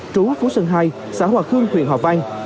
trú phú sơn hai xã hòa khương huyện hòa vang